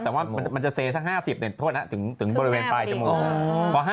แต่ว่ามันจะเสร็จถ้า๕๐เนี่ยโทษนะถึงบริเวณปลายจมูก